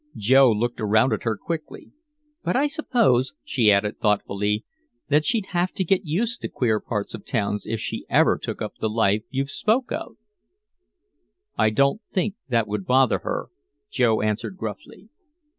Joe looked around at her quickly. "But I suppose," she added thoughtfully, "that she'd have to get used to queer parts of towns if she ever took up the life you spoke of." "I don't think that would bother her," Joe answered gruffly.